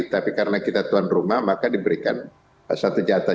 tapi karena kita tuan rumah maka diberikan satu jatah